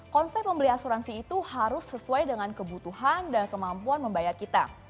konsep membeli asuransi itu harus sesuai dengan kebutuhan dan kemampuan membayar kita